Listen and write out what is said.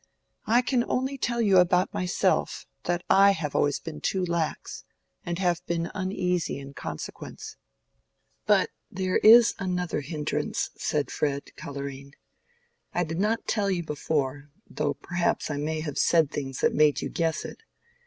I can only tell you about myself, that I have always been too lax, and have been uneasy in consequence." "But there is another hindrance," said Fred, coloring. "I did not tell you before, though perhaps I may have said things that made you guess it.